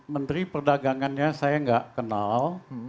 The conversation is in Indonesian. menteri perdagangannya saya nggak kenal